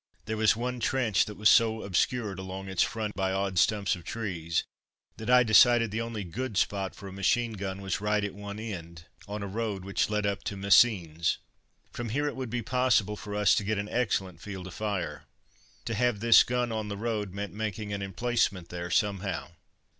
There was one trench that was so obscured along its front by odd stumps of trees that I decided the only good spot for a machine gun was right at one end, on a road which led up to Messines. From here it would be possible for us to get an excellent field of fire. To have this gun on the road meant making an emplacement there somehow.